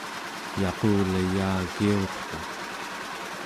yaquleyagiurta